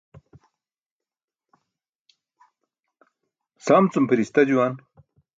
Sam cum pʰiri̇sta juwan.